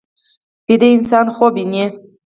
ویده انسان خوب ویني